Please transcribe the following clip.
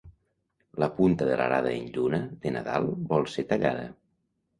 La punta de l'arada en lluna de Nadal vol ser tallada.